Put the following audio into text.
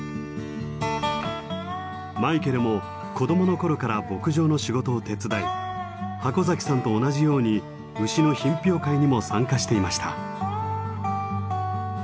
マイケルも子どもの頃から牧場の仕事を手伝い筥嵜さんと同じように牛の品評会にも参加していました。